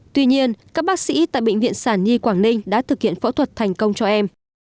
tuy nhiên các bác sĩ tại bệnh viện sản nhi quảng ninh đã thực hiện phẫu thuật thành công cho em